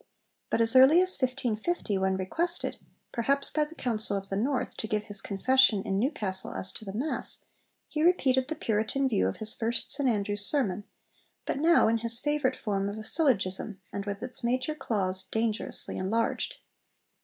But as early as 1550, when requested, perhaps by the Council of the North, to 'give his confession' in Newcastle as to the Mass, he repeated the Puritan view of his first St Andrews sermon, but now in his favourite form of a syllogism, and with its major clause dangerously enlarged.